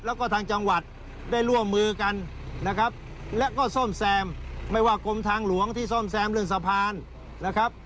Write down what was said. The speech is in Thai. แล้วก็ทางจังหวัดได้ร่วมมือกันนะครับและก็ซ่อมแซมไม่ว่ากรมทางหลวงที่ซ่อมแซมเรื่องสะพานนะครับ